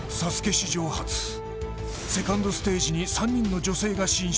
史上初、セカンドステージに３人の女性が進出。